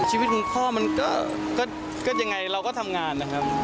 ชีวิตของพ่อมันก็ยังไงเราก็ทำงานนะครับ